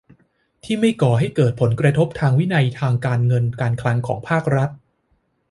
ที่ไม่ก่อให้เกิดผลกระทบทางวินัยการเงินการคลังของภาครัฐ